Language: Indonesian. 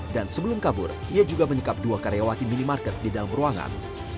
dan sebelum kabur ia juga menikap dua karyawati minimarket di dalam ruangan